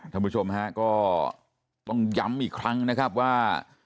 ท่านผู้ชมฮะก็ต้องย้ำอีกครั้งนะครับว่า